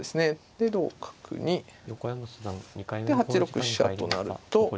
で同角にで８六飛車となると。